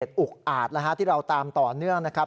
เหตุอุกอาจที่เราตามต่อเนื่องนะครับ